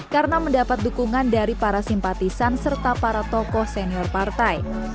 karena mendapat dukungan dari para simpatisan serta para tokoh senior partai